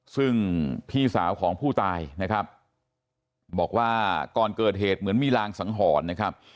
ซึ่งพี่สาวของผู้ตายนะครับบอกว่าก่อนเกิดเหตุเหมือนมีรางสังหรณ์นะครับ